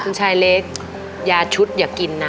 คุณชายเล็กยาชุดอย่ากินนะ